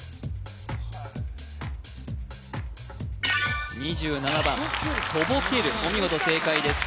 はい２７番とぼけるお見事正解です